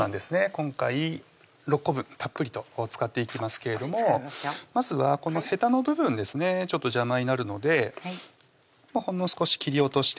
今回６個分たっぷりと使っていきますけれどもまずはこのへたの部分ですねちょっと邪魔になるのでほんの少し切り落としていきます